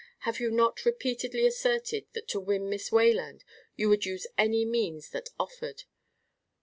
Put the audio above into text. Have you not repeatedly asserted that to win Miss Wayland you would use any means that offered?